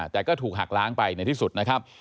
แต่ก็ถูกหักล้างไปในที่สุดนะครับ